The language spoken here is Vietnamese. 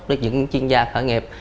với những chuyên gia khởi nghiệp